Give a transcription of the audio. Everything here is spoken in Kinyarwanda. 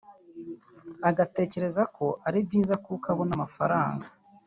ugatekereza ko ari byiza kuko abona amafaranga